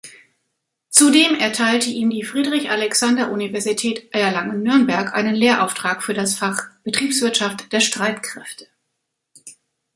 Zudem erteilte ihm die Friedrich-Alexander-Universität Erlangen-Nürnberg einen Lehrauftrag für das Fach „Betriebswirtschaft der Streitkräfte“.